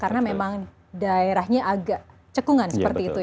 karena daerahnya agak cekungan seperti itu ya